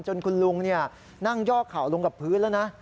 จนคุณลุงเนี่ยนั่งยอกเข่าลงกับพื้นแล้วนะ